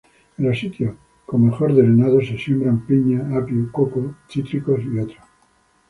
En los sitios con mejor drenados se siembra: piña, apio, coco, cítricos y otros.